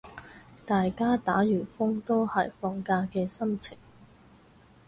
大家打完風都係放假嘅心情